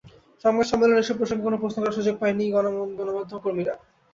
সংবাদ সম্মেলনে এসব প্রসঙ্গে কোনো প্রশ্ন করার সুযোগ পাননি গণমাধ্যমের কর্মীরা।